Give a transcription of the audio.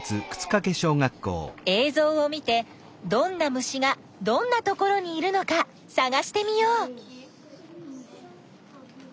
えいぞうを見てどんな虫がどんなところにいるのかさがしてみよう。